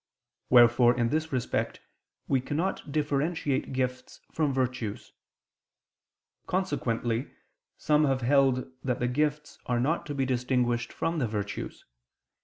Wherefore in this respect we cannot differentiate gifts from virtues. Consequently some have held that the gifts are not to be distinguished from the virtues.